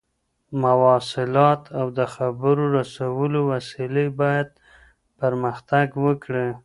مواصلات او د خبر رسولو وسيلې بايد پرمختګ وکړي.